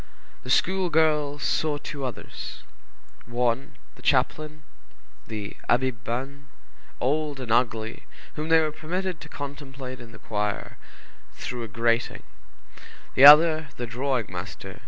The schoolgirls saw two others: one, the chaplain, the Abbé Banés, old and ugly, whom they were permitted to contemplate in the choir, through a grating; the other the drawing master, M.